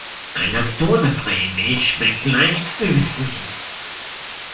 Laktosefreie Milch schmeckt leicht süßlich.